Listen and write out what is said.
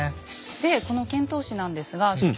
でこの遣唐使なんですが所長。